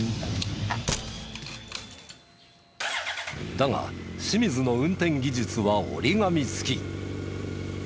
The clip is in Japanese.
だが清水の運転技術は折り紙付き。